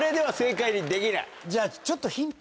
じゃあちょっとヒント。